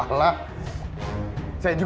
kau tak bisa mencoba